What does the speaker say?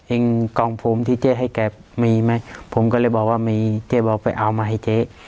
กล่องผมที่เจ๊ให้แกมีไหมผมก็เลยบอกว่ามีเจ๊บอกไปเอามาให้เจ๊